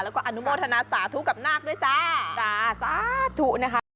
แล้วก็อนุโมทนาสาธุกับนาคด้วยจ้าจ้าสาธุนะคะ